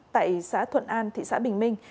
tại xã thuận an thị xã bình minh